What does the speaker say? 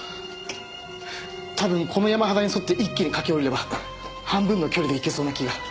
多分この山肌に沿って一気に駆け下りれば半分の距離で行けそうな気が。